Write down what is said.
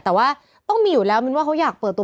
แต่ว่าต้องมีอยู่แล้วมินว่าเขาอยากเปิดตัว